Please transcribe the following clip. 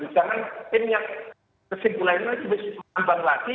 jangan tim yang kesimpulannya lebih mengambang latih